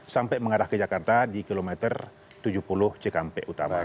sampai mengarah ke jakarta di kilometer tujuh puluh ckmp utara